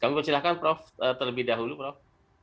kami persilahkan prof terlebih dahulu prof